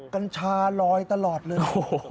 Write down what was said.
กัญชาลอยตลอดเลย